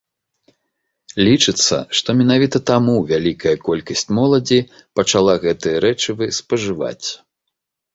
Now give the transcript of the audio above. Лічыцца, што менавіта таму вялікая колькасць моладзі пачала гэтыя рэчывы спажываць.